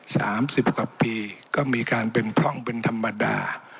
สามสิบกว่าปีก็มีการเป็นพร่องเป็นธรรมดา